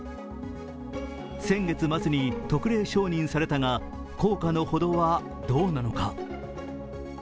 先月末に特例承認されたが、効果のほどはどうなのか。